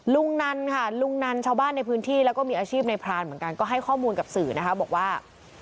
นันค่ะลุงนันชาวบ้านในพื้นที่แล้วก็มีอาชีพในพรานเหมือนกันก็ให้ข้อมูลกับสื่อนะคะบอกว่า